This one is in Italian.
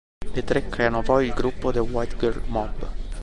Le tre creano poi il gruppo "The White Girl Mob".